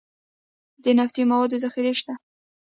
د نفتي موادو ذخیرې شته